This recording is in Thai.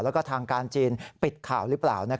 แล้วก็ทางการจีนปิดข่าวหรือเปล่า